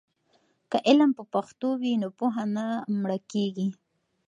که علم په پښتو وي نو پوهه نه مړکېږي.